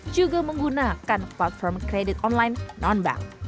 juga menggunakan platform kredit online non bank